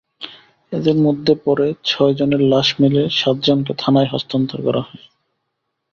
এঁদের মধ্যে পরে ছয়জনের লাশ মেলে, সাতজনকে থানায় হস্তান্তর করা হয়।